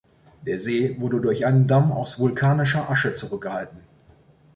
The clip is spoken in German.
Der See wurde durch einen Damm aus vulkanischer Asche zurückgehalten.